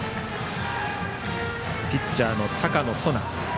ピッチャーの高野颯波。